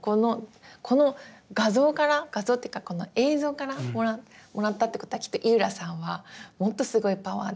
この画像から画像っていうかこの映像からもらったってことはきっと井浦さんはもっとすごいパワーで。